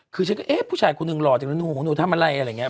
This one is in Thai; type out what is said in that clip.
คือฉันก็เอ๊ะผู้ชายคนหนึ่งหล่อจังแล้วหนูของหนูทำอะไรอะไรอย่างนี้